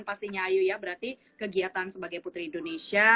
pastinya ayu ya berarti kegiatan sebagai putri indonesia